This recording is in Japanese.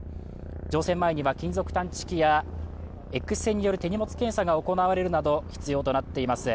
乗船前には金属探知機やＸ線による手荷物検査が行われるなど、必要となっています。